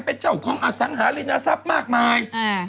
เป็นเจ้าของอสังหารินทรัพย์มากมาย